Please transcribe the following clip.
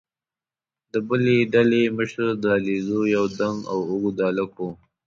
د بلې ډلې مشر د علیزو یو دنګ او اوږد هلک وو.